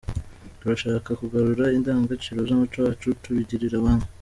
Turashaka kugarura indangagaciro z’umuco wacu tubigirira abana.